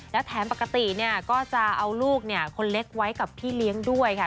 และแถมปกติเนี่ยก็จะเอาลูกคนเล็กไว้กับพี่เลี้ยงด้วยค่ะ